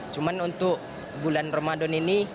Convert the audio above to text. cuma untuk bulan ramadan ini